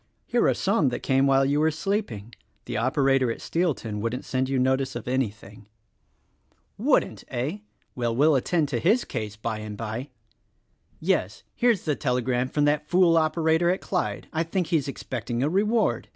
Here are some that came while you were sleeping. The operator at Steelton wouldn't send you notice of anything." THE RECORDIXG AXGEL 93 "Wouldn't, eh? Well we'll attend to his case by and "Yes; here's the telegram from that fool operator at Clyde. I think he's expecting a reward.